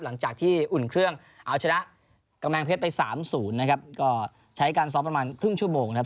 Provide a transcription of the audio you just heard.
หลังจากที่อุ่นเครื่องเอาชนะกำแพงเพชรไปสามศูนย์นะครับก็ใช้การซ้อมประมาณครึ่งชั่วโมงนะครับ